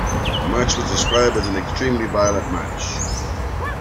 The match was described as an extremely violent match.